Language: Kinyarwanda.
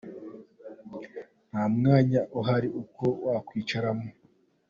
Nta mwanya uhari wo kwicaramo.